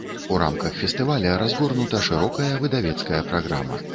У рамках фестываля разгорнута шырокая выдавецкая праграма.